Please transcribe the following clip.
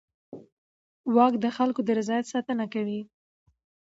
واک د خلکو د رضایت ساتنه کوي.